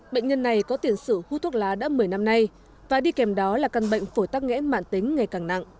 bệnh nhân này có tiền sử hút thuốc lá đã một mươi năm nay và đi kèm đó là căn bệnh phổi tắc nghẽn mạng tính ngày càng nặng